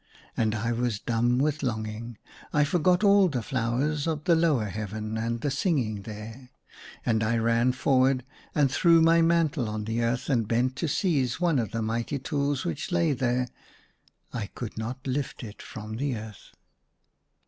And I was dumb with longing ; I forgot all the flowers of the lower Heaven and the singing there. And I ran forward, and threw my mantle 174 THE SUNLIGHT LA Y on the earth and bent to seize one of the mighty tools which lay there. I could not lift it from the earth.